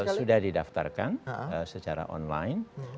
sudah didaftarkan secara online